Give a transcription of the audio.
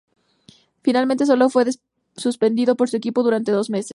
Finalmente sólo fue suspendido por su equipo durante dos meses.